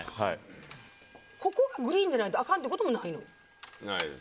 ここがグリーンじゃないとあかんってこともないの？